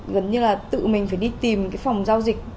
gần như là tự mình phải đi tìm cái phòng giao dịch